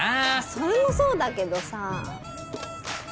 それもそうだけどさ。